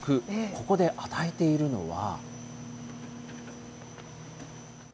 ここで与えているのは。